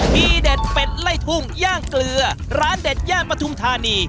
มีเด็ดเป็ดไล่ทุ่งย่างเกลือร้านเด็ดย่านปฐุมธานี